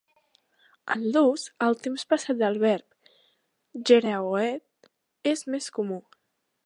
En l'ús, el temps passat del verb, "gheraoed", és més comú.